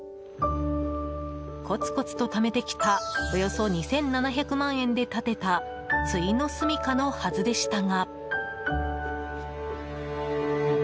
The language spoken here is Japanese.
コツコツと貯めてきたおよそ２７００万円で建てた終のすみかのはずでしたが。